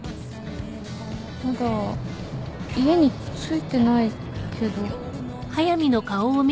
まだ家に着いてないけど。